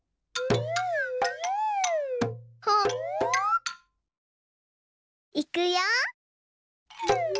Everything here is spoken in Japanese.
ほっいくよ！